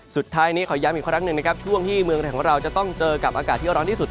สุดท้ายนี้ขอย้ำอีกครั้งหนึ่งนะครับช่วงที่เมืองไทยของเราจะต้องเจอกับอากาศที่ร้อนที่สุด